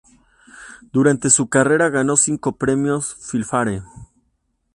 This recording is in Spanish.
Durante su carrera ganó cinco Premios Filmfare.